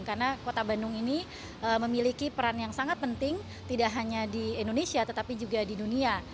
karena kota bandung ini memiliki peran yang sangat penting tidak hanya di indonesia tetapi juga di dunia